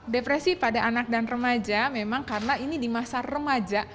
depresi pada anak dan remaja memang karena ini di masa remaja